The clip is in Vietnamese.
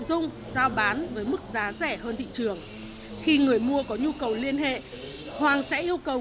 dung giao bán với mức giá rẻ hơn thị trường khi người mua có nhu cầu liên hệ hoàng sẽ yêu cầu